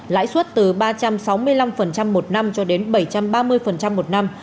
lãi suất từ ba trăm sáu mươi năm một năm cho đến bảy trăm ba mươi một năm